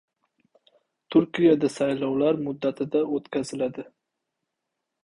Turkiyada saylovlar muddatida o‘tkaziladi